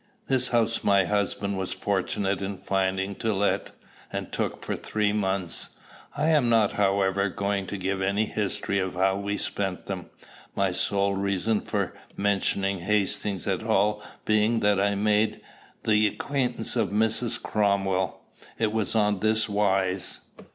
This house my husband was fortunate in finding to let, and took for three months. I am not, however, going to give any history of how we spent them; my sole reason for mentioning Hastings at all being that there I made the acquaintance of Mrs. Cromwell. It was on this wise.